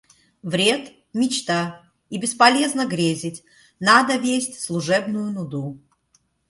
Вред – мечта, и бесполезно грезить, надо весть служебную нуду.